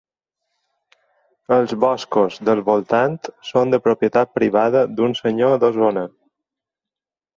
Els boscos del voltant són de propietat privada d’un senyor d’Osona.